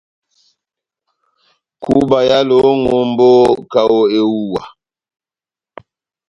Kúba éhálovi ó ŋʼhombó kaho kaho ehuwa .